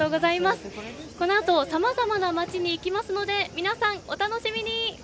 このあと、さまざまな町に行きますので皆さん、お楽しみに！